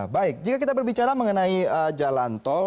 baik jika kita berbicara mengenai jalan tol